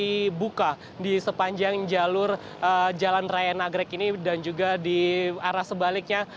ini buka di sepanjang jalur jalan raya nagrek ini dan juga di arah sebaliknya